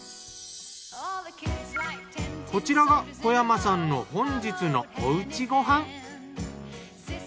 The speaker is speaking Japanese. こちらが小山さんの本日のお家ご飯。